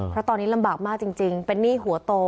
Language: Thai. เพราะตอนนี้ลำบากมากจริงเป็นหนี้หัวโต